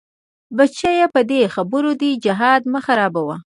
بچيه په دې خبرو دې جهاد مه خرابوه.